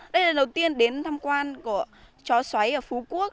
đây là đầu tiên đến thăm quan của chó xoáy ở phú quốc